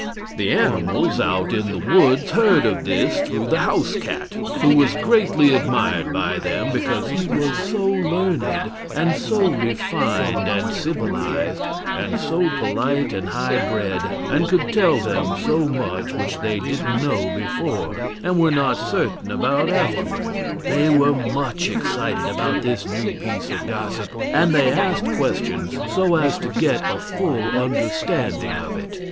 The animals out in the woods heard of this through the housecat, who was greatly admired by them because he was so learned, and so refined and civilized, and so polite and high bred, and could tell them so much which they didn't know before, and were not certain about afterward. They were much excited about this new piece of gossip, and they asked questions, so as to get at a full understanding of it.